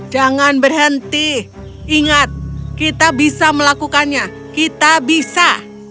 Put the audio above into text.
jangan berhenti ingat kita bisa melakukannya kita bisa